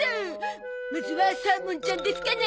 まずはサーモンちゃんですかね！